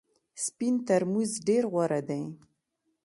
سپین ترموز ډېر غوره دی .